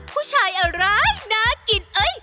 ผู้ชายอร้ายน่ากินเอ๊ย